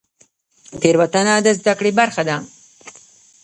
تیروتنه د زده کړې برخه ده؟